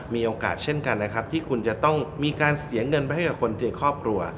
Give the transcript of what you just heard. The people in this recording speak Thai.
มีโอกาสเช่นกันนะครับที่คุณจะต้องมีการเสียเงินไปให้กับคนในครอบครัว